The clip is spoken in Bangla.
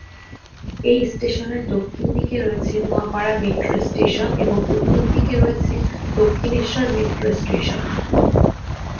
এই স্টেশনের দক্ষিণ দিকে রয়েছে নোয়াপাড়া মেট্রো স্টেশন এবং উত্তর দিকে রয়েছে দক্ষিণেশ্বর মেট্রো স্টেশন।